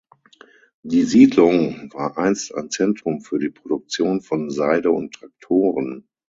Die Siedlung war einst ein Zentrum für die Produktion von Seide und Traktoren.